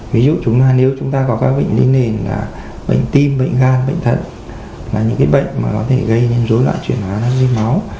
ví dụ chúng ta nếu chúng ta có các bệnh lý nền là bệnh tim bệnh gan bệnh thận là những cái bệnh mà có thể gây nên dối loạn truyền hóa nát ri máu